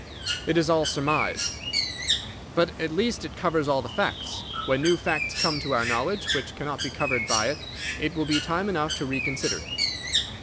"It is all surmise." "But at least it covers all the facts. When new facts come to our knowledge which cannot be covered by it, it will be time enough to reconsider it.